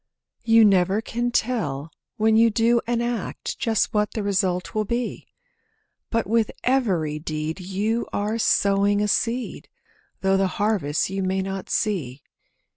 You never can tell when you do an act Just what the result will be; But with every deed you are sowing a seed, Though the harvest you may not see.